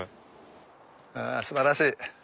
あすばらしい。